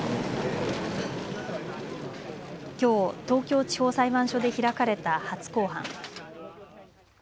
きょう、東京地方裁判所で開かれた初公判。